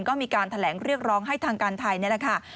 ก็มีการแถลงเรียกร้องให้ทางการไทยนี่แหละค่ะ